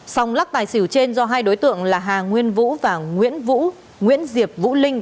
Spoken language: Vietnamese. xong lắc tài xỉu trên do hai đối tượng là hà nguyên vũ và nguyễn diệp vũ linh